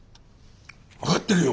分かってるよ。